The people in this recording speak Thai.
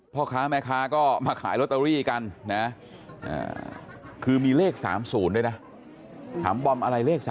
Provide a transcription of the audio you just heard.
พ่อค้าแม่ค้าก็มาขายลอตเตอรี่กันนะคือมีเลข๓๐ด้วยนะถามบอมอะไรเลข๓